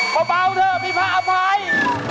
พอเปล่าเถอะพี่พระอภัย